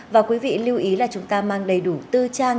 và quý vị lưu ý là chúng ta mang đầy đủ tư trang